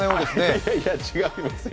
いやいやいや、違いますよ。